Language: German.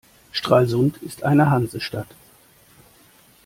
Stralsund ist eine Hansestadt.